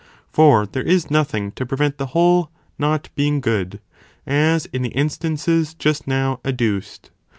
for there is nothing to prevent the whole not being good, as in the instances just now adduced.